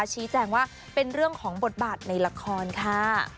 ชี้แจงว่าเป็นเรื่องของบทบาทในละครค่ะ